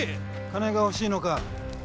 金が欲しいのか。